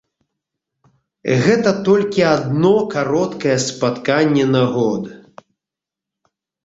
Гэта толькі адно кароткае спатканне на год.